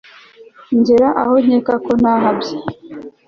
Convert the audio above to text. ngera aho nkeka ko ntahabye